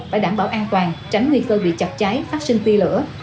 phải đảm bảo an toàn tránh nguy cơ bị chặt cháy phát sinh pi lửa